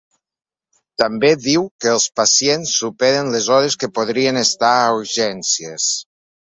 També diu que els pacients superen les hores que podrien estar a urgències.